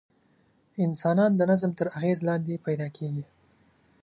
انسانان د نظم تر اغېز لاندې پیدا کېږي.